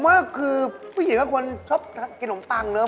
ว่าคือผู้หญิงเป็นคนชอบกินนมปังเนอะ